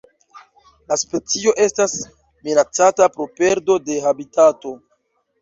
La specio estas minacata pro perdo de habitato.